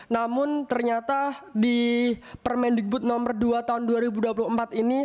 namun ternyata di permendikbud nomor dua tahun dua ribu dua puluh empat ini